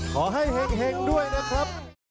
ขอให้เห็กเห็กด้วยนะครับ